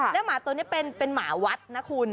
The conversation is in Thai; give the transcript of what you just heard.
แล้วหมาตัวนี้เป็นหมาวัดนะคุณ